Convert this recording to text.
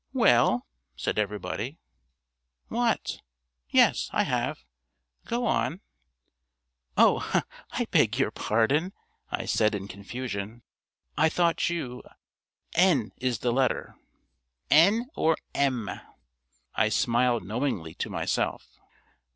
"Well?" said everybody. "What?... Yes, I have. Go on.... Oh, I beg your pardon," I said in confusion. "I thought you N is the letter." "N or M?" I smiled knowingly to myself.